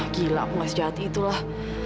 gila aku gak sejati itulah